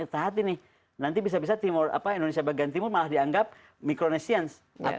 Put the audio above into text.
tahan hati nih nanti bisa bisa timur indonesia bagian timur malah dianggap micronesians